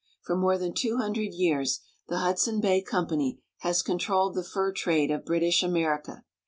For more than two hundred years the Hudson Bay Company has controlled the fur trade of British America.